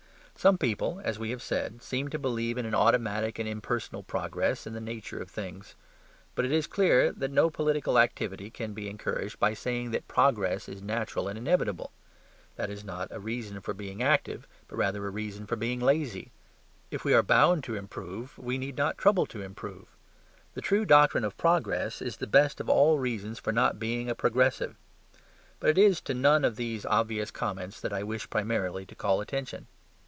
Some people (as we have said) seem to believe in an automatic and impersonal progress in the nature of things. But it is clear that no political activity can be encouraged by saying that progress is natural and inevitable; that is not a reason for being active, but rather a reason for being lazy. If we are bound to improve, we need not trouble to improve. The pure doctrine of progress is the best of all reasons for not being a progressive. But it is to none of these obvious comments that I wish primarily to call attention.